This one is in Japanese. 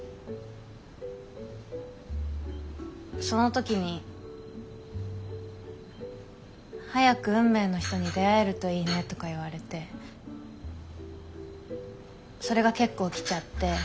その時に「早く運命の人に出会えるといいね」とか言われてそれが結構きちゃって。